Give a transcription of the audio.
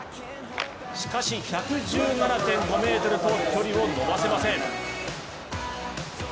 しかし、１１７．５ｍと距離を伸ばせません。